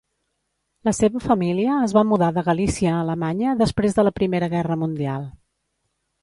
La seva família es va mudar de Galícia a Alemanya després de la Primera Guerra Mundial.